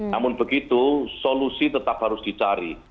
namun begitu solusi tetap harus dicari